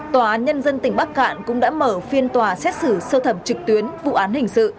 tòa án nhân dân tỉnh bắc cạn cũng đã mở phiên tòa xét xử sơ thẩm trực tuyến vụ án hình sự